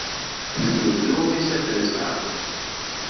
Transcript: Deg unebdu isaffen ttɣaren.